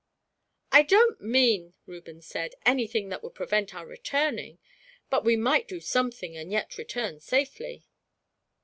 "I don't mean," Reuben said, "anything that would prevent our returning. But we might do something, and yet return safely."